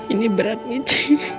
ini berat nih